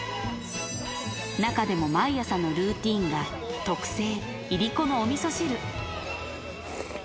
中でも毎朝のルーティーンが、特製いりこのおみそ汁。